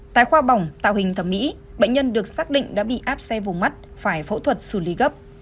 tại khoa bỏng tạo hình thẩm mỹ bệnh nhân được xác định đã bị áp xe vùng mắt phải phẫu thuật xử lý gấp